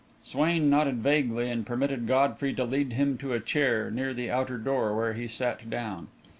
Swain nodded vaguely, and permitted Godfrey to lead him to a chair near the outer door, where he sat down.